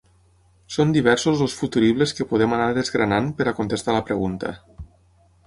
Són diversos els futuribles que podem anar desgranant per a contestar la pregunta.